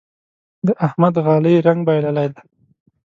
د احمد غالۍ رنګ بايللی دی.